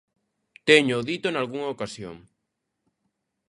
Téñoo dito nalgunha ocasión.